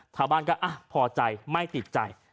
ชาวบ้านก็พอใจไม่ติดใจ